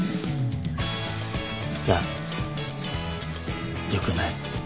いやよくない。